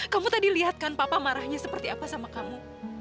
kamu tadi lihat kan papa marahnya seperti apa sama kamu